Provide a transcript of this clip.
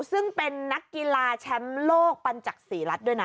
ซึ่งเป็นนักกีฬาแชมป์โลกปัญจักษีรัฐด้วยนะ